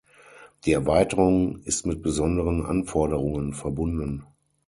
Die Erweiterung ist mit besonderen Anforderungen verbunden.